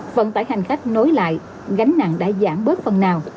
vận tải hành khách nối lại gánh nặng đã giảm bớt phần nào